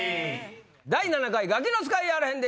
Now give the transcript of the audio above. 第７回ガキの使いやあらへんで！